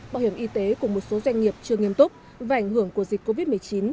bảo hiểm y tế của một số doanh nghiệp chưa nghiêm túc và ảnh hưởng của dịch covid một mươi chín